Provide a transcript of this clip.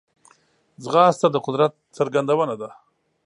ځغاسته د قدرت څرګندونه ده